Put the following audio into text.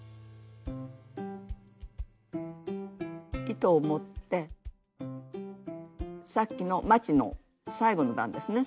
糸を持ってさっきのまちの最後の段ですね